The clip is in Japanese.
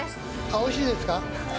おいしいですか。